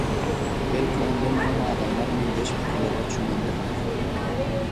Belki ondan öňem adamlar meňzeş pikirlere çümendirler.